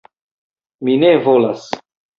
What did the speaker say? Mi ne volas!